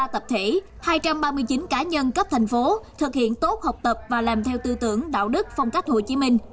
một trăm năm mươi ba tập thể hai trăm ba mươi chín cá nhân cấp tp hcm thực hiện tốt học tập và làm theo tư tưởng đạo đức phong cách hồ chí minh